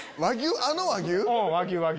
あの和牛？